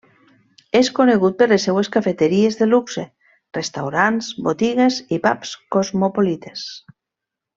És conegut per les seues cafeteries de luxe, restaurants, botigues i pubs cosmopolites.